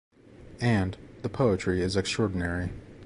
And, the poetry is extraordinary.